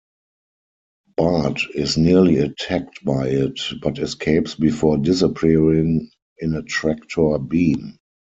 Bart is nearly attacked by it, but escapes before disappearing in a tractor beam.